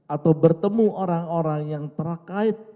atau bertemu orang orang yang terkait